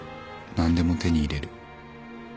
何でも手に入れる。